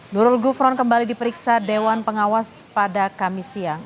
nurul gufron kembali diperiksa dewan pengawas pada kamis siang